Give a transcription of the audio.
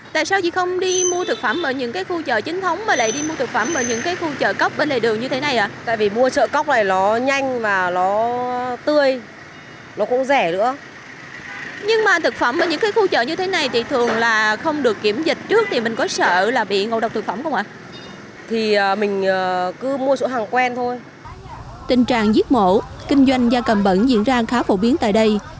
tình trạng giết mổ kinh doanh gia cầm bẩn diễn ra khá phổ biến tại đây